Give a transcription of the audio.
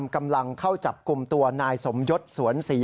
กำลังเข้าจับกลุ่มตัวนายสมยศสวนศรี